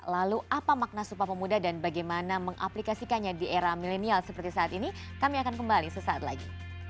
lalu apa makna sumpah pemuda dan bagaimana mengaplikasikannya di era milenial seperti saat ini kami akan kembali sesaat lagi